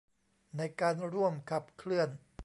ในการร่วมขับเคลื่อน